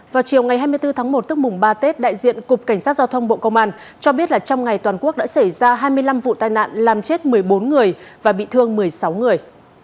vào chiều ngày hai mươi bốn tháng một tức mùng ba tết đại diện cục cảnh sát giao thông bộ công an cho biết là trong ngày toàn quốc đã xảy ra hai mươi năm vụ tai nạn làm chết một mươi bốn người và bị thương một mươi sáu người